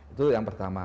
itu yang pertama